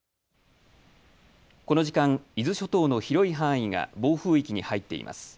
この時間、伊豆諸島の広い範囲が暴風域に入っています。